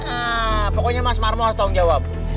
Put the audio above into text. eee pokoknya mas parmo harus tanggung jawab